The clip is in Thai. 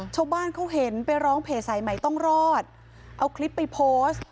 ชาวบ้านเขาเห็นไปร้องเพจสายใหม่ต้องรอดเอาคลิปไปโพสต์